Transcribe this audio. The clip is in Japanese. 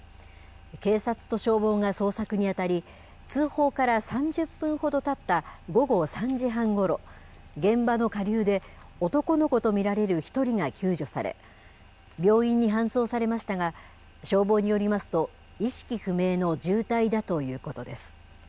警察と消防が捜索に当たり、通報から３０分ほどたった午後３時半ごろ、現場の下流で男の子と見られる１人が救助され、病院に搬送されましたが、消防によりますと、意識不明の重体だということです。